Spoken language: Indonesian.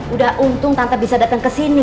udah untung tante bisa dateng kesini